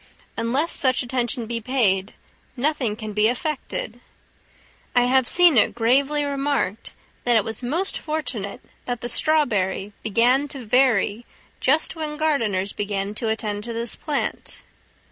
Unless such attention be paid nothing can be effected. I have seen it gravely remarked, that it was most fortunate that the strawberry began to vary just when gardeners began to attend to this plant.